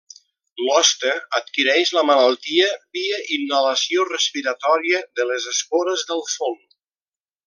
L'hoste adquireix la malaltia via inhalació respiratòria de les espores del fong.